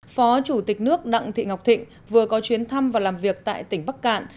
phó chủ tịch nước đặng thị ngọc thịnh vừa có chuyến thăm và làm việc tại tỉnh bắc cạn